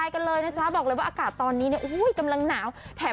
ต้องบอกเลยว่าถ้าจะให้ฟิน